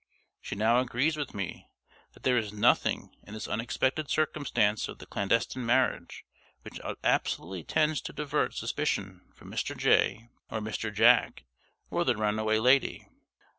She now agrees with me that there is nothing in this unexpected circumstance of the clandestine marriage which absolutely tends to divert suspicion from Mr. Jay, or Mr. "Jack," or the runaway lady.